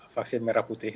vaksin merah putih